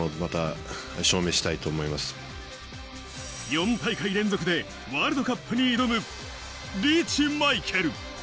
４大会連続でワールドカップに挑むリーチ・マイケル。